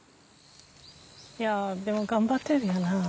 いやでも頑張ってるんやな。